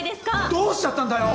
どうしちゃったんだよ！